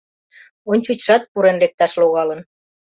Ончычшат пурен лекташ логалын.